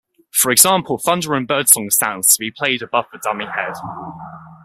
For example thunder and birdsong sounds to be played above the dummy head.